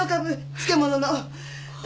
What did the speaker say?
漬物の。